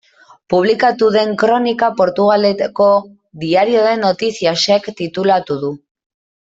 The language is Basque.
Publikatu den kronika Portugaleko Diario de Noticias-ek titulatu du.